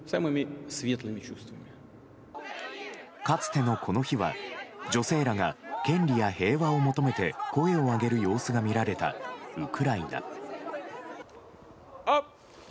かつてのこの日は女性らが権利や平和を求めて声を上げる様子が見られたウクライナ。